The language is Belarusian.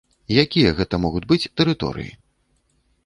Якія гэта могуць быць тэрыторыі?